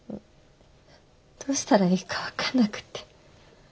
どうしたらいいか分かんなくって。